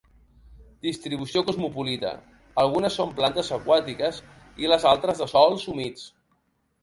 Distribució cosmopolita, algunes són plantes aquàtiques i les altres de sòls humits.